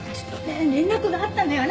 連絡があったのよ